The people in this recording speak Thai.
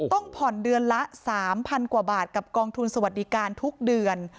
ต้องผ่อนเดือนละ๓๐๐๐กว่าบาทกับกองทุนสวัสดิการทุกเดือน